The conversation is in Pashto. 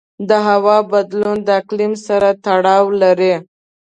د هوا بدلون د اقلیم سره تړاو لري.